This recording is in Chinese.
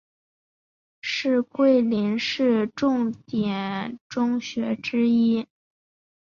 是桂林市重点中学之一。